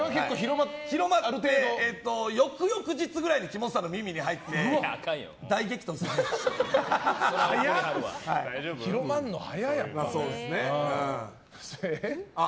広まって、翌々日くらいに木本さんの耳に入って広まるの早っ！